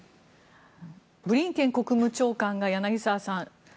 ブリンケン国務長官が柳澤さん